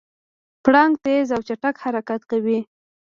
پړانګ تېز او چټک حرکت کوي.